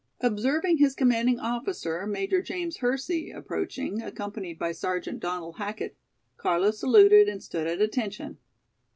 Observing his commanding officer, Major James Hersey, approaching, accompanied by Sergeant Donald Hackett, Carlo saluted and stood at attention.